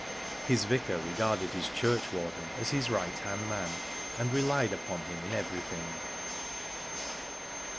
His vicar regarded his churchwarden as his right hand man, and relied upon him in everything.